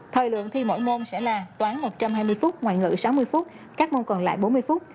thời lượng thi mỗi môn sẽ là toán lập trăm hai mươi phút ngoại ngữ sáu mươi phút các môn còn lại bốn mươi phút